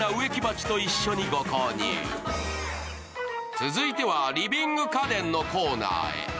続いてはリビング家電のコーナーへ。